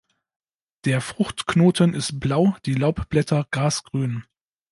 Der Fruchtknoten ist blau, die Laubblätter grasgrün.